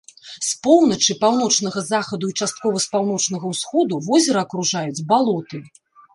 З поўначы, паўночнага захаду і часткова з паўночнага ўсходу возера акружаюць балоты.